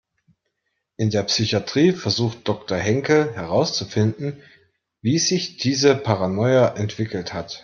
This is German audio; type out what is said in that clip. In der Psychatrie versucht Doktor Henkel herauszufinden, wie sich diese Paranoia entwickelt hat.